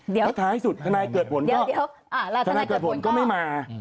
แล้วท้ายสุดทนายเกิดผลก็ไม่มา